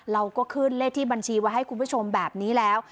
เราก็ขึ้นเลขที่บัญชีไว้ให้คุณผู้ชมแบบนี้แล้ว